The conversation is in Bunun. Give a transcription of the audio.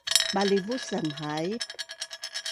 Balivusan haip